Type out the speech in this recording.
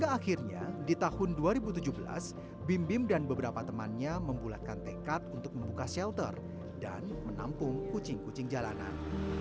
akhirnya di tahun dua ribu tujuh belas bim bim dan beberapa temannya membulatkan tekad untuk membuka shelter dan menampung kucing kucing jalanan